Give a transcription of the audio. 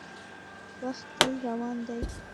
• وخت تل روان دی.